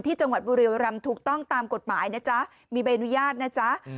จังหวัดบุรีรำถูกต้องตามกฎหมายนะจ๊ะมีใบอนุญาตนะจ๊ะ